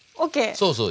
そうそう。